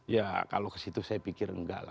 ya kalau ke situ saya pikir enggak lah